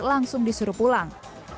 langsung disuruh pulang